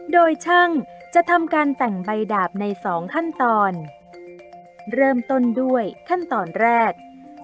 โดยช่างจะทำการแต่งใบดาบในสองขั้นตอนเริ่มต้นด้วยขั้นตอนแรก